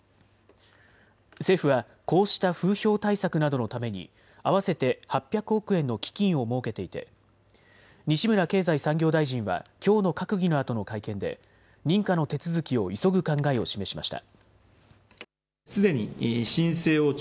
政府はこうした風評対策などのために合わせて８００億円の基金を設けていて西村経済産業大臣はきょうの閣議のあとの会見で認可の手続きを急ぐ考えを示しました。